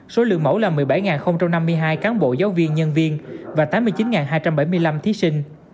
số lượng mẫu là một mươi bảy năm mươi hai cán bộ giáo viên nhân viên và tám mươi chín hai trăm bảy mươi năm thí sinh